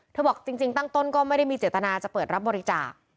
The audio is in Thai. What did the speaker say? บอกจริงตั้งต้นก็ไม่ได้มีเจตนาจะเปิดรับบริจาค